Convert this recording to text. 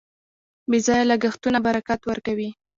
بې ځایه لګښتونه برکت ورکوي.